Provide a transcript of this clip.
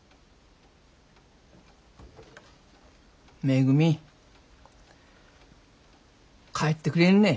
めぐみ帰ってくれんね。